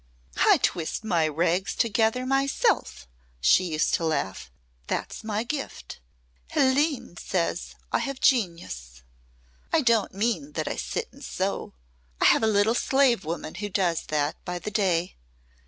"I twist my rags together myself," she used to laugh. "That's my gift. Hélène says I have genius. I don't mean that I sit and sew. I have a little slave woman who does that by the day.